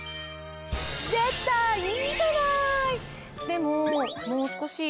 でも。